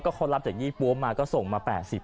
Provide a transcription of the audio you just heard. ก็เขารับจากยี่ปวมมาก็ส่งมา๘๐แล้ว